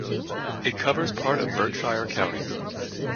It covers part of Berkshire County.